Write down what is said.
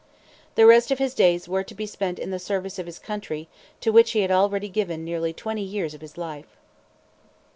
The rest of his days were to be spent in the service of his country, to which he had already given nearly twenty years of his life.